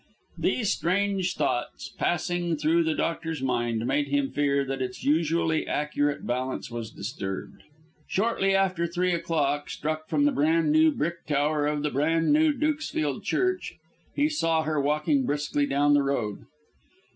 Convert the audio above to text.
These strange thoughts, passing through the doctor's mind, made him fear that its usually accurate balance was disturbed. Shortly after three o'clock struck from the bran new brick tower of the bran new Dukesfield church, he saw her walking briskly down the road.